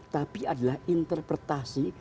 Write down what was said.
tapi adalah interpretasi